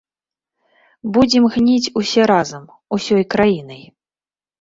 Будзем гніць усе разам, усёй краінай.